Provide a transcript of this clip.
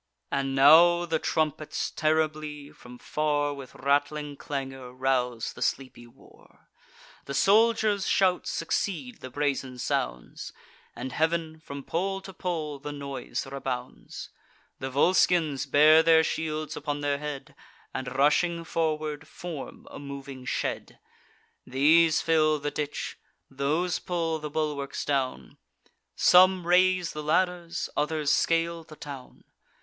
And now the trumpets terribly, from far, With rattling clangour, rouse the sleepy war. The soldiers' shouts succeed the brazen sounds; And heav'n, from pole to pole, the noise rebounds. The Volscians bear their shields upon their head, And, rushing forward, form a moving shed. These fill the ditch; those pull the bulwarks down: Some raise the ladders; others scale the town.